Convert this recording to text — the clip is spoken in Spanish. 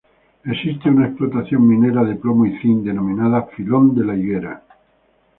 Existe una explotación minera de plomo y zinc, denominada Filón de la Higuera.